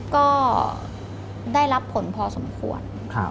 ก็ได้รับผลพอสมควร